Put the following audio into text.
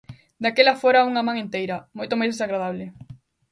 Daquela fora unha man enteira, moito máis desagradable.